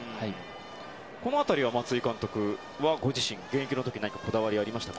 この辺りは松井監督はご自身は現役の時何かこだわりはありましたか？